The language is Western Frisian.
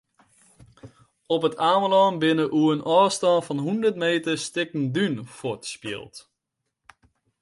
Op It Amelân binne oer in ôfstân fan hûndert meter stikken dún fuortspield.